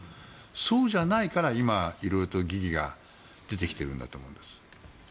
そうじゃないから今、色々と疑義が出てきているんだと思います。